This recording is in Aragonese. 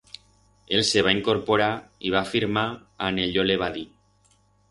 Él se va incorporar y va firmar ane yo le va dir.